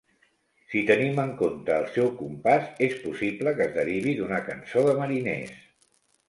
Si tenim en compte el seu compàs, és possible que es derivi d"una cançó de mariners.